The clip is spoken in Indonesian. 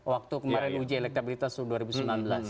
waktu kemarin uji elektabilitas tahun dua ribu sembilan belas